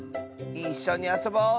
いっしょにあそぼう！